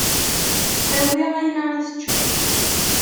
Awi ayen ara teččeḍ.